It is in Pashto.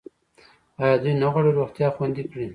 آیا دوی نه غواړي روغتیا خوندي کړي؟